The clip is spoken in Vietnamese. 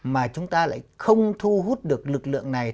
mà chúng ta lại không thu hút được lực lượng này